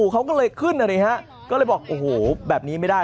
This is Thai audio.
เขาก็เลยขึ้นนะดิฮะก็เลยบอกโอ้โหแบบนี้ไม่ได้